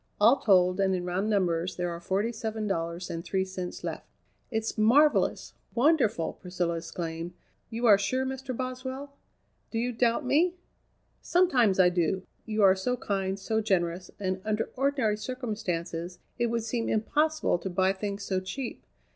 "All told, and in round numbers, there are forty seven dollars and three cents left." "It's marvellous! wonderful!" Priscilla exclaimed. "You are sure, Mr. Boswell?" "Do you doubt me?" "Sometimes I do, you are so kind, so generous, and under ordinary circumstances it would seem impossible to buy things so cheap.